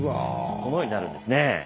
このようになるんですね。